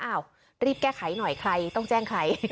รีบแก้ไขหน่อยใครต้องแจ้งใคร